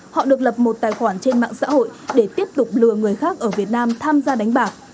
họ được lập một tài khoản trên mạng xã hội để tiếp tục lừa người khác ở việt nam tham gia đánh bạc